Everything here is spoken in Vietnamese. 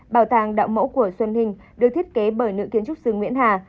bảo tàng đạo mẫu của xuân hình được thiết kế bởi nữ kiến trúc sư nguyễn hà